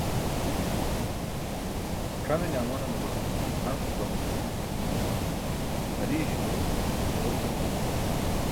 C̣ʰamine amanamulo am nibam nusan, hariye śuro ġurok delum juwan.